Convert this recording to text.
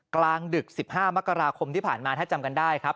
กลางดึก๑๕มกราคมที่ผ่านมาถ้าจำกันได้ครับ